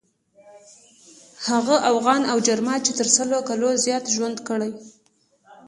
هغه اوغان او جرما چې تر سلو کالو زیات ژوند کړی.